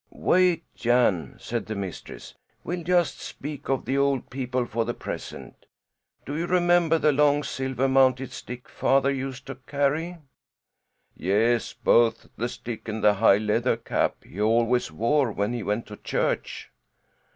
"Wait, Jan!" said the mistress, "we'll just speak of the old people for the present. Do you remember the long silver mounted stick father used to carry?" "Yes; both the stick and the high leather cap he always wore when he went to church."